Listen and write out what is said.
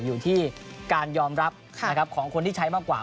อยู่ที่การยอมรับของคนที่ใช้มากกว่า